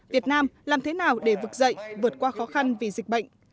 việt nam làm thế nào để vực dậy vượt qua khó khăn vì dịch bệnh